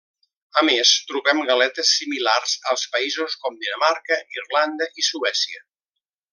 A més, trobem galetes similars a països com Dinamarca, Irlanda i Suècia.